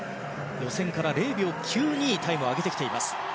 予選から０秒９２タイムを上げてきています。